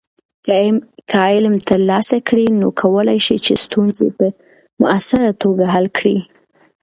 که علم ترلاسه کړې، نو کولی شې چې ستونزې په مؤثره توګه حل کړې.